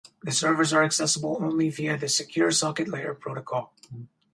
The servers are accessible only via the Secure Socket Layer protocol.